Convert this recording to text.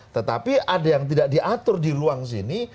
tetapi ada yang tidak diatur di ruang sini